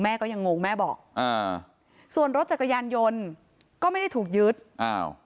ก็ยังงงแม่บอกอ่าส่วนรถจักรยานยนต์ก็ไม่ได้ถูกยึดอ้าว